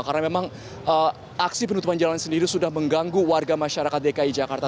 karena memang aksi penutupan jalan sendiri sudah mengganggu warga masyarakat dki jakarta